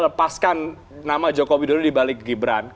lepaskan nama jokowi dulu dibalik gibran